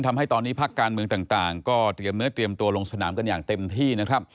ทำให้ตอนนี้พักการเมืองต่างก็เตรียมเนื้อเตรียมตัวลงสนามกันอย่างเต็มที่นะครับ